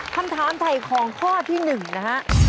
คำถามไถ่ของข้อที่๑นะฮะ